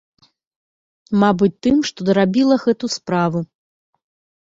Мабыць, тым, што дарабіла гэту справу.